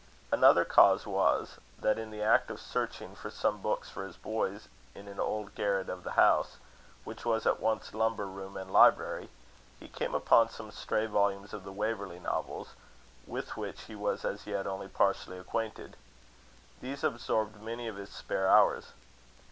Another cause was, that, in the act of searching for some books for his boys, in an old garret of the house, which was at once lumber room and library, he came upon some stray volumes of the Waverley novels, with which he was as yet only partially acquainted. These absorbed many of his spare hours.